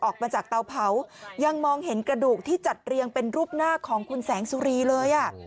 ออกมาจากเตาเผายังมองเห็นกระดูกที่จัดเรียงเป็นรูปหน้าของคุณแสงสุรีเลยอ่ะ